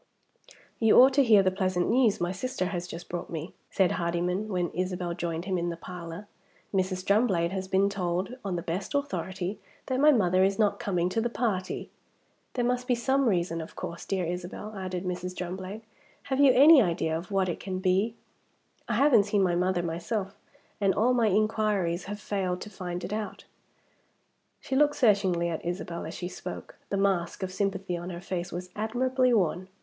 "You ought to hear the pleasant news my sister has just brought me," said Hardyman, when Isabel joined him in the parlor. "Mrs. Drumblade has been told, on the best authority, that my mother is not coming to the party." "There must be some reason, of course, dear Isabel," added Mrs. Drumblade. "Have you any idea of what it can be? I haven't seen my mother myself; and all my inquiries have failed to find it out." She looked searchingly at Isabel as she spoke. The mask of sympathy on her face was admirably worn.